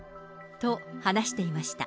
と、離していました。